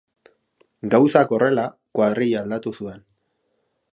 Gauzak horrela, kuadrilla aldatu zuen.